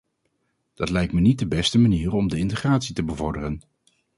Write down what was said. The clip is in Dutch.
Dat lijkt me niet de beste manier om de integratie te bevorderen.